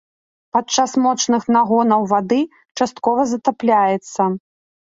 Падчас моцных нагонаў вады часткова затапляецца.